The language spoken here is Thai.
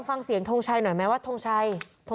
เพราะถูกทำร้ายเหมือนการบาดเจ็บเนื้อตัวมีแผลถลอก